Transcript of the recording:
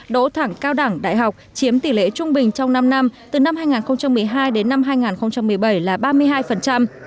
đỗ thẳng cao đẳng đại học chiếm tỷ lệ trung bình trong năm năm từ năm hai nghìn một mươi hai đến năm hai nghìn một mươi bảy là ba mươi hai